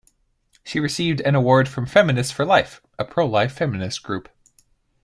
She received an award from Feminists for Life, a pro-life feminist group.